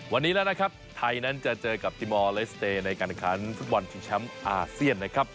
วันนี้แล้วนะครับไทยนั้นจะเจอกับติมอลเลสเตย์ในการขันฟุตบอลชิงแชมป์อาเซียนนะครับ